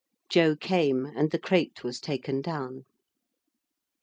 Joe came, and the crate was taken down.